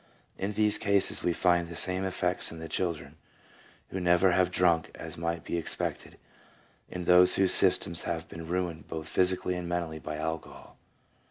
In these cases we find the same effects in the children who never have drunk as might be expected in those whose systems have been ruined both physically and mentally by alcohol.